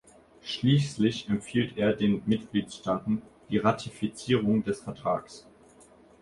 Schließlich empfiehlt er den Mitgliedstaaten die Ratifizierung des Vertrags.